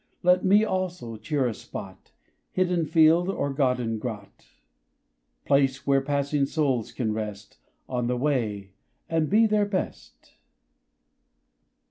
Let me, also, cheer a spot, Hidden field or garden grot Place where passing souls can rest On the way and be their best.